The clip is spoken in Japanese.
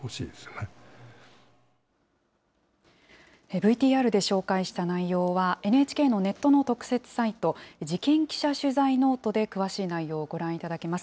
ＶＴＲで紹介した内容は、ＮＨＫのネットの特設サイト、事件記者取材ｎｏｔｅで詳しい内容をご覧いただけます。